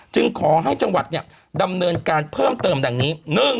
จึงขอให้จังหวัดเนี่ยดำเนินการเพิ่มเติมแบบนี้